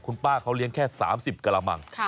คุณป้าเขาเลี้ยงแค่๓๐กระมัง